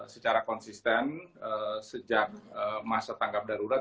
secara konsisten sejak masa tanggap darurat